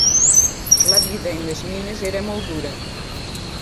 La vida en les mines era molt dura.